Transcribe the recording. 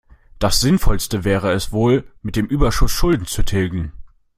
Das Sinnvollste wäre es wohl, mit dem Überschuss Schulden zu tilgen.